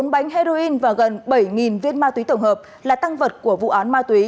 bốn bánh heroin và gần bảy viên ma túy tổng hợp là tăng vật của vụ án ma túy